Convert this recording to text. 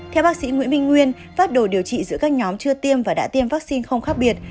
theo bác sĩ nguyễn minh nguyên pháp đồ điều trị giữa các nhóm chưa tiêm và đã tiêm vaccine không khác biệt